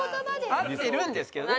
合ってるんですけどね。